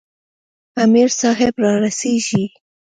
امیر صاحب را رسیږي.